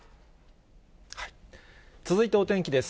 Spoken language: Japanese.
続いてお天気です。